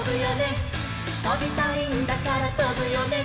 「とびたいんだからとぶよね」